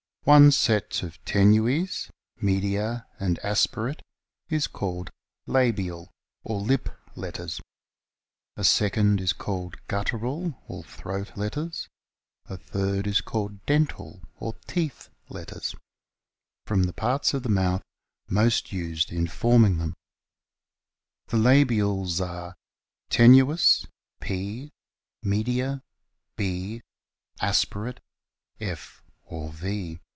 One set of tennis, media, and aspirate is called labial (or lip letters), a second is called guttural (or throat letters), a third is called dental (or teeth letters), from the parts of the mouth most used in forming them. 63 THE INITIAL MUTATIONS 69 The labials are : Tenuis , P ; Media, B ; Aspirate, F or V.